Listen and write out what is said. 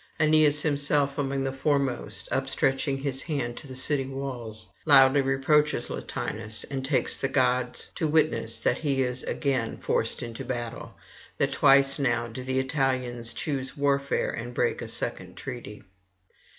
Aeneas himself among the foremost, upstretching his hand to the city walls, loudly reproaches Latinus, and takes the gods to witness that he is again forced into battle, that twice now do the Italians choose warfare and break a second treaty.